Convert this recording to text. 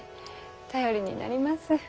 頼りになります。